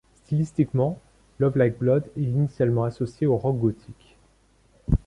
Stylistiquement, Love Like Blood est initialement associé au rock gothique.